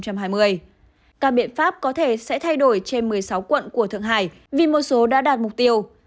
các biện pháp có thể sẽ thay đổi trên một mươi sáu quận của thượng hải vì một số đã đạt mục tiêu